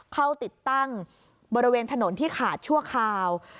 เข้าติดตั้งบริเวณถนนที่ขาดชั่วคราว